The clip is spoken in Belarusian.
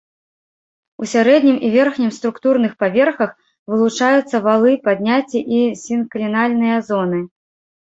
У сярэднім і верхнім структурных паверхах вылучаюцца валы, падняцці і сінклінальныя зоны.